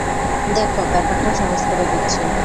দেখো, ব্যাপারটা সহজ করে দিচ্ছি।